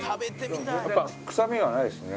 やっぱり臭みがないですね